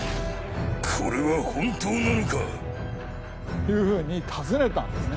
これは本当なのか？というふうに尋ねたんですね。